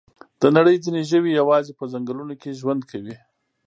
د نړۍ ځینې ژوي یوازې په ځنګلونو کې ژوند کوي.